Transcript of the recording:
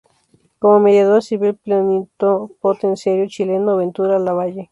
Como mediador sirvió el plenipotenciario chileno Ventura Lavalle.